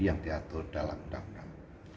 yang diatur dalam undang undang